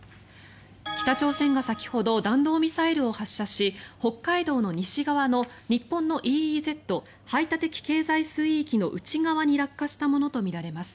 北朝鮮が先ほど弾道ミサイルを発射し北海道の西側の、日本のＥＥＺ・排他的経済水域の内側に落下したものとみられます。